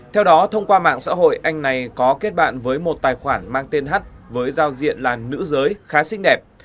theo đó thông qua mạng xã hội anh này có kết bạn với một tài khoản mang tên h với giao diện là nữ giới khá xinh đẹp